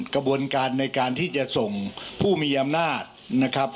กระบวนการในการที่จะส่งผู้มีอำนาจนะครับ